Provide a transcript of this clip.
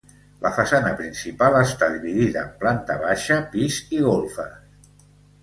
La façana principal està dividida en planta baixa, pis i golfes.